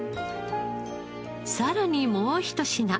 さらにもうひと品。